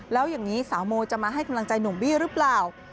แล้วอย่างนี้สาวโมจะมาให้กำลังใจหนุ่มบี้หรือเปล่า